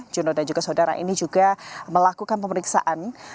jono dan juga saudara ini juga melakukan pemeriksaan